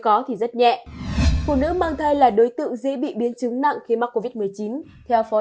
có thì rất nhẹ phụ nữ mang thai là đối tượng dễ bị biến chứng nặng khi mắc covid một mươi chín theo phó